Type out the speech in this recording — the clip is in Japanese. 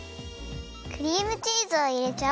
クリームチーズをいれちゃお。